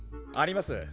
あります